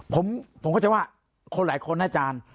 ผมเข้าใจว่าคนหลายคนนะอาจารย์